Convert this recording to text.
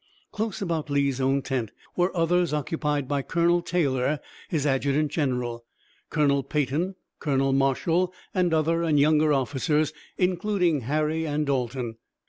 Close about Lee's own tent were others occupied by Colonel Taylor, his adjutant general, Colonel Peyton, Colonel Marshall, and other and younger officers, including Harry and Dalton.